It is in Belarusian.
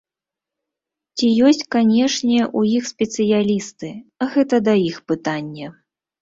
Ці ёсць канешне у іх спецыялісты, гэта да іх пытанне.